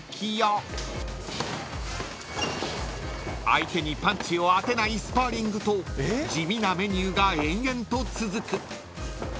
［相手にパンチを当てないスパーリングと地味なメニューが延々と続く］